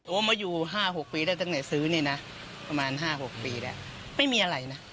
โอ้มาอยู่ห้าหกปีแล้วตั้งแต่ซื้อนี่น่ะประมาณห้าหกปีแล้วไม่มีอะไรน่ะ